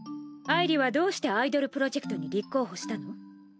あいりはどうしてアイドルプロジェクトに立候補したの？